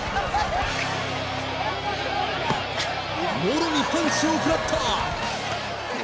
もろにパンチを食らった！